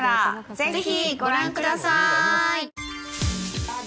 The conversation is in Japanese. ぜひご覧ください。